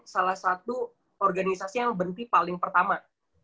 salah satu organisasi yang berhenti paling pertama